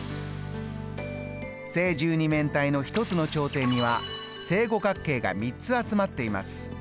正十二面体の１つの頂点には正五角形が３つ集まっています。